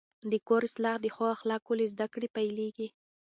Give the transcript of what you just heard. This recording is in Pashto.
د کور اصلاح د ښو اخلاقو له زده کړې پیلېږي.